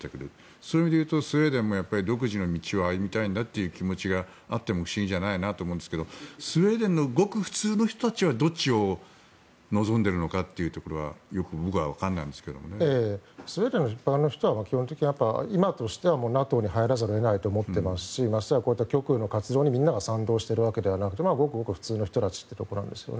そういう意味で言うとスウェーデンも独自の道を歩みたい気持ちがあっても不思議じゃないなと思うんですけどスウェーデンのごく普通の人たちはどっちを望んでいるのかというところはスウェーデンの一般の人は基本的に今としてはＮＡＴＯに入らざるを得ないと思っていますし極右の活動にみんなが賛同しているわけではなくごく普通の人たちということなんですよね。